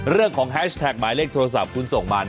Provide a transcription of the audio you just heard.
เรื่องของแฮชแทกหมายเลขโทรศัพท์คุณส่งมา